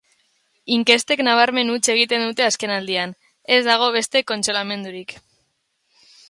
Inkestek nabarmen huts egiten dute azkenaldian, ez dago beste kontsolamendurik.